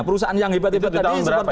perusahaan yang hebat hebat tadi